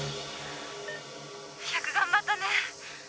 よく頑張ったね